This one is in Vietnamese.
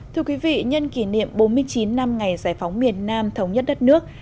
thưa quý vị nhân kỷ niệm bốn mươi chín năm ngày giải phóng miền nam thống nhất đất nước